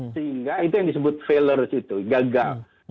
sehingga itu yang disebut failers itu gagal